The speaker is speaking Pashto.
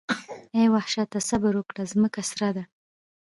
اې وحشته صبر وکړه ځمکه سره ده.